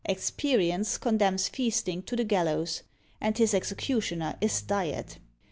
Experience condemns Feasting to the gallows; and his executioner is Diet.